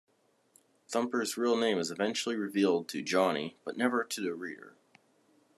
Thumper's real name is eventually revealed to Johnny, but never to the reader.